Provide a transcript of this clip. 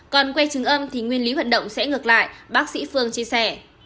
còn quay chứng âm thì nguyên lý hoạt động sẽ ngược lại bác sĩ phương chia sẻ